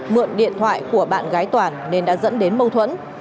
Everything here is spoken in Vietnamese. mượn điện thoại của bạn gái toàn nên đã dẫn đến mâu thuẫn